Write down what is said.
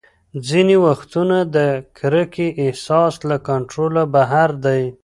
ځینې وختونه د کرکې احساس له کنټروله بهر دی.